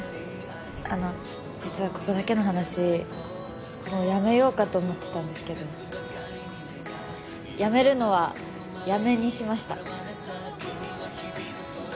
あの実はここだけの話もう辞めようかと思ってたんですけどやめるのはやめにしました